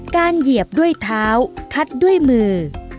เหยียบด้วยเท้าคัดด้วยมือ